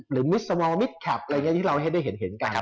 มิสมองมิดแคปอะไรอย่างนี้ที่เราให้ได้เห็นกัน